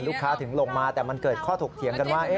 ถึงลงมาแต่มันเกิดข้อถกเถียงกันว่า